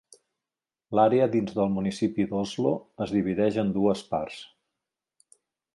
L'àrea dins del municipi d'Oslo es divideix en dues parts.